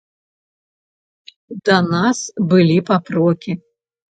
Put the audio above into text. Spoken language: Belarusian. Да нас былі папрокі.